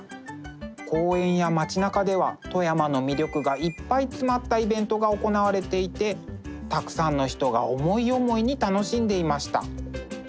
公園や街なかでは富山の魅力がいっぱい詰まったイベントが行われていてたくさんの人が思い思いに楽しんでいました。